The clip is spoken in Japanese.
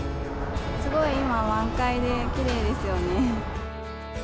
すごい今、満開できれいですよね。